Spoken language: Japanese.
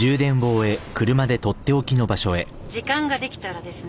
時間ができたらですね